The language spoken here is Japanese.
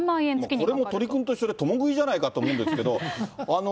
これも鳥くんと一緒で、共食いじゃないかと思うんですけども。